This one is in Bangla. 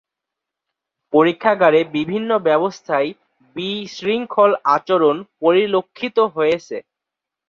পরীক্ষাগারে বিভিন্ন ব্যবস্থায় বিশৃঙ্খল আচরণ পরিলক্ষিত হয়েছে।